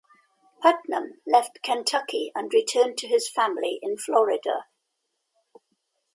Putnam left Kentucky and returned to his family in Florida.